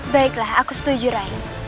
baiklah aku setuju rai